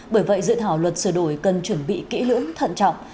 bởi vậy dự thảo luật sửa đổi cần chuẩn bị kỹ lưỡng thận trọng